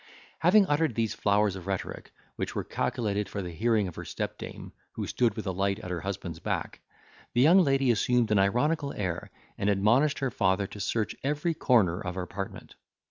Having uttered these flowers of rhetoric, which were calculated for the hearing of her step dame, who stood with a light at her husband's back, the young lady assumed an ironical air, and admonished her father to search every corner of her apartment.